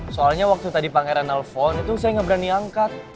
soalnya waktu tadi pangeran nelfon itu saya nggak berani angkat